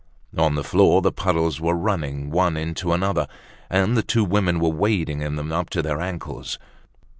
On the floor the puddles were running one into another, and the two women were wading in them up to their ankles.